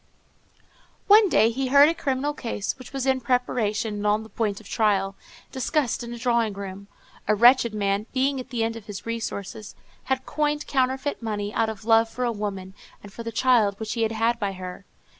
One day he heard a criminal case, which was in preparation and on the point of trial, discussed in a drawing room. A wretched man, being at the end of his resources, had coined counterfeit money, out of love for a woman, and for the child which he had had by her.